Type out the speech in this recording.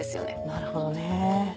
なるほどね。